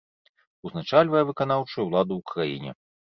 Узначальвае выканаўчую ўладу ў краіне.